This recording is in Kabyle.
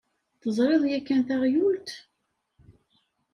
Teẓriḍ yakan taɣyult?